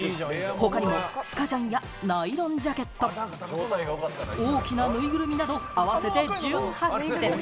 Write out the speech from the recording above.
他にはスカジャンやナイロンジャケット、大きなぬいぐるみなど合わせて１８点。